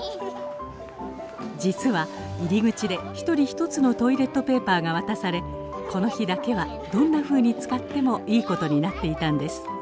実は入り口で１人１つのトイレットペーパーが渡されこの日だけはどんなふうに使ってもいいことになっていたんです